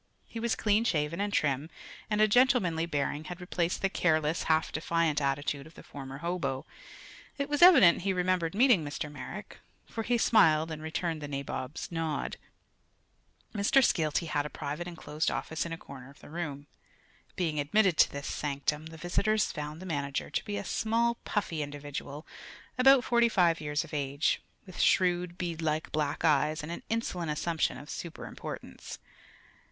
He was clean shaven and trim, and a gentlemanly bearing had replaced the careless, half defiant attitude of the former hobo. It was evident he remembered meeting Mr. Merrick, for he smiled and returned the "nabob's" nod. Mr. Skeelty had a private enclosed office in a corner of the room. Being admitted to this sanctum, the visitors found the manager to be a small, puffy individual about forty five years of age, with shrewd, beadlike black eyes and an insolent assumption of super importance.